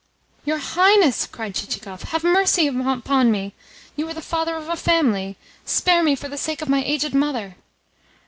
"Your Highness," cried Chichikov, "have mercy upon me! You are the father of a family! Spare me for the sake of my aged mother!"